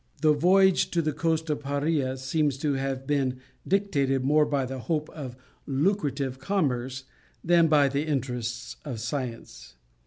This voyage to the coast of Paria seems to have been dictated more by the hope of lucrative commerce than by the interests of science.